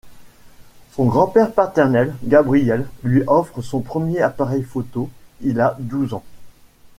Son grand-père paternel Gabriel lui offre son premier appareil photo, il a douze ans.